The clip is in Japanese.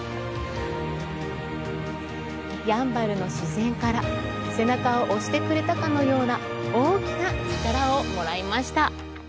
やんばるの自然から、背中を押してくれたかのような大きな力をもらいました。